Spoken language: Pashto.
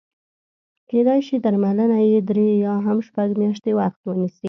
کېدای شي درملنه یې درې یا هم شپږ میاشتې وخت ونیسي.